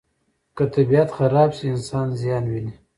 که طبیعت خراب شي، انسان زیان ویني.